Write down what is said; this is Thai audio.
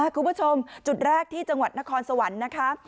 คุณผู้ชมจุดแรกที่จังหวัดนครสวรรค์นะคะ